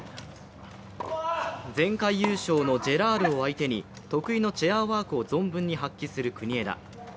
前回優勝のジェラールを相手に得意のチェアワークを存分に発揮する国枝。